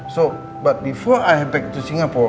tapi sebelum saya kembali ke singapura